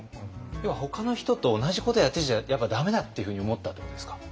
要はほかの人と同じことやってちゃやっぱ駄目だっていうふうに思ったってことですか？